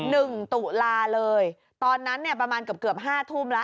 ตุลาเลยตอนนั้นเนี่ยประมาณเกือบเกือบห้าทุ่มแล้ว